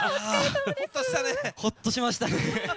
ほっとしました！